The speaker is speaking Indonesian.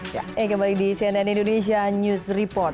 ya kembali di cnn indonesia news report